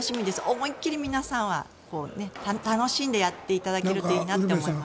思いっきり皆さんは楽しんでやっていただけるといいなと思います。